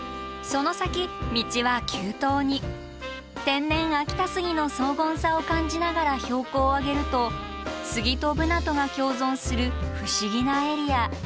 天然秋田スギの荘厳さを感じながら標高を上げるとスギとブナとが共存する不思議なエリア。